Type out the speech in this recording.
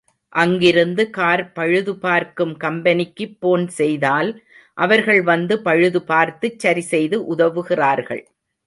அங்கிருந்து கார் பழுதுபார்க்கும் கம்பெனிக்கு போன் செய்தால் அவர்கள் வந்து பழுது பார்த்துச் சரி செய்து உதவுகிறார்கள்.